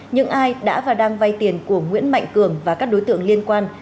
những ai đã và đang vay tiền của nguyễn mạnh cường và các đối tượng liên quan